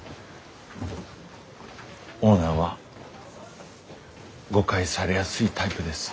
オーナーは誤解されやすいタイプです。